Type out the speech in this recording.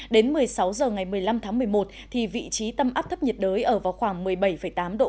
đến một mươi sáu h ngày một mươi năm tháng một mươi một vị trí tâm áp thấp nhiệt đới ở vào khoảng một mươi bảy tám độ